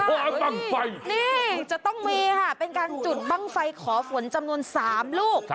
บ้างไฟนี่จะต้องมีค่ะเป็นการจุดบ้างไฟขอฝนจำนวน๓ลูก